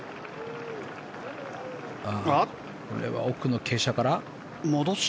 これは奥の傾斜から。